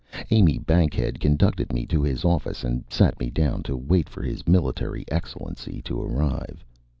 Amy Bankhead conducted me to his office and sat me down to wait for His Military Excellency to arrive.